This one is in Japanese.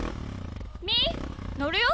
みーのるよ。